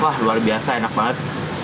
wah luar biasa enak banget